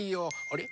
あれ？